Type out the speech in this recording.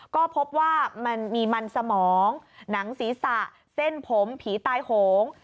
ก็พบว่ามันมีมันสมองหนังศีรษะเส้นผมผีตายโหง